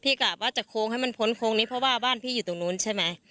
กลับว่าจะโค้งให้มันพ้นโค้งนี้เพราะว่าบ้านพี่อยู่ตรงนู้นใช่ไหม